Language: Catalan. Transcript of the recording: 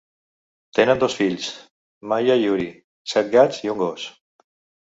Tenen dos fills, Maya i Uri, set gats i un gos.